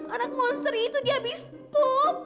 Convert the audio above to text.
anak monster itu dihabis tuh